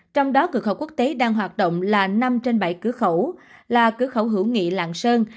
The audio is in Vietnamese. trong đó cửa khẩu quốc tế đang hoạt động là năm trên bảy cửa khẩu là cửa khẩu hữu nghị lạng sơn